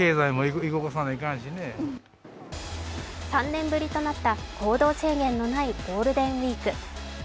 ３年ぶりとなった行動制限のないゴールデンウイーク。